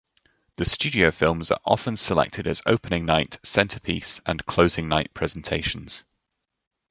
The studio films are often selected as Opening Night, Centerpiece, and Closing Night presentations.